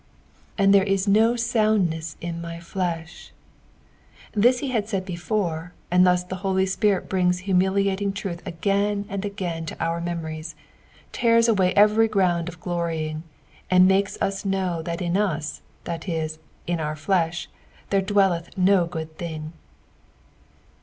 "And there u no lotmdneu in my JUtk." Tliis ho had said before, and thua the Holy Spirit brings humiliating trnth ngain and again to our memorieB, tears away every ground of gloryins, and mabea us know that in OB, that ia. in our ficsh, there dwelleth no good thing.